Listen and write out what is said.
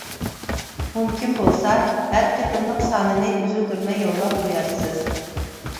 مۇمكىن بولسا ھەر قېتىملىق سانىنى ئۈزۈلدۈرمەي يوللاپ قويارسىز.